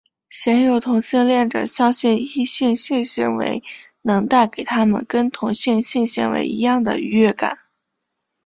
鲜有同性恋者相信异性性行为能带给他们跟同性性行为一样的愉悦感。